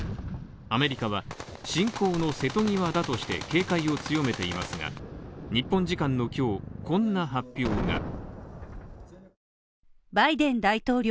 アメリカは侵攻の瀬戸際だとして警戒を強めていますが日本時間の今日、こんな発表が。